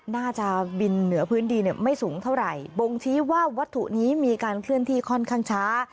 น่าจะบินเหนือพื้นดินเนี่ยไม่สูงเท่าไหร่บ่งชี้ว่าวัตถุนี้มีการเคลื่อนที่ค่อนข้างช้า